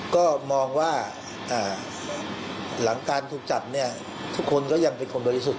ก็มองว่าหลังการถูกจับเนี่ยทุกคนก็ยังเป็นคนบริสุทธิ์